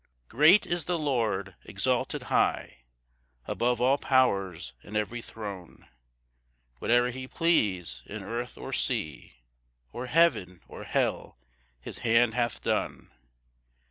1 Great is the Lord, exalted high Above all powers and every throne; Whate'er he please in earth or sea, Or heaven, or hell, his hand hath done.